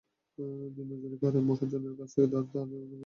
দিনমজুরি করেন, মহাজনের কাছ থেকে ধার-দাদন নিয়ে সংসার চালাতে হচ্ছে তাঁকে।